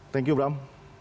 thank you bram